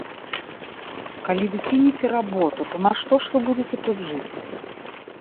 Калі вы кінеце работу, то на што ж вы будзеце тут жыць?